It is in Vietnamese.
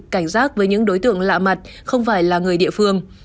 cảnh giác với những đối tượng lạ mặt không phải là người địa phương